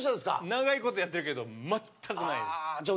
長いことやってるけどまったくない。